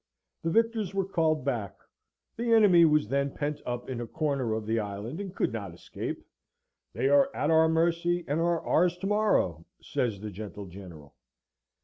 The victors were called back; the enemy was then pent up in a corner of the island, and could not escape. "They are at our mercy, and are ours to morrow," says the gentle General.